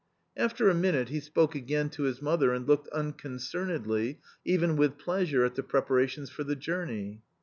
After a minute he spoke again to his mother and looked unconcernedly, even with pleasure, at the prepara tions for the journey.